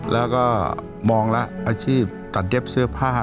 แล้วก็มองแล้วอาชีพตัดเย็บเสื้อผ้า